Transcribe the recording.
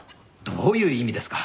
どういう意味ですか。